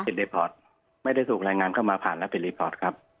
เป็นรีพอร์ตไม่ได้ถูกรายงานเข้ามาผ่านแล้วเป็นรีพอร์ตครับ